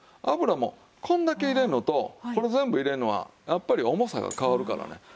油もこんだけ入れるのとこれ全部入れるのはやっぱり重さが変わるからね。